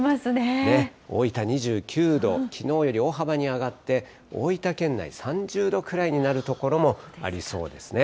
大分２９度、きのうより大幅に上がって、大分県内３０度くらいになる所もありそうですね。